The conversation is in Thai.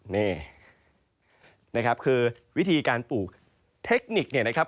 นี่นะครับคือวิธีการปลูกเทคนิคเนี่ยนะครับ